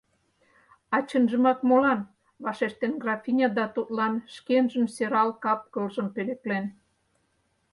«А чынжымак молан?» — вашештен графиня да тудлан шкенжын сӧрал капкылжым пӧлеклен.